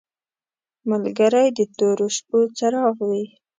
ملګری د تورو شپو څراغ وي.